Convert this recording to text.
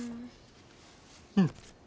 うん。